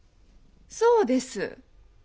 そうです。